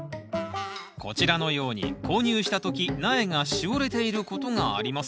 こちらのように購入した時苗がしおれていることがあります。